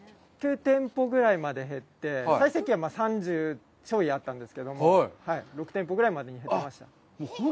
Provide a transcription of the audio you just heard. ６店舗ぐらいまで減って、最盛期は３０ちょいあったんですけれども、６店舗ぐらいまでに減ってました。